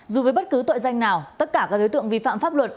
dù với bất cứ tội danh nào tất cả các đối tượng vi phạm pháp luật